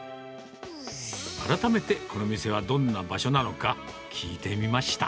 改めてこの店はどんな場所なのか、聞いてみました。